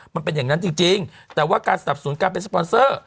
มันเป็นอย่างนั้นจริงแต่ว่าการสนับสนุนการเป็นสปอนเซอร์